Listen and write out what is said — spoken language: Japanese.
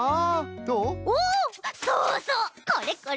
そうそうこれこれ！